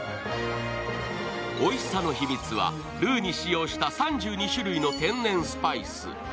おいしさの秘密はルーに使用した３２種類の天然スパイス。